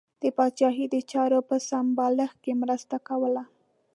د پاچاهۍ د چارو په سمبالښت کې مرسته کوله.